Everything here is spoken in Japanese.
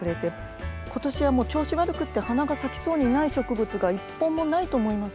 今年は調子悪くて花が咲きそうにない植物が一本もないと思います。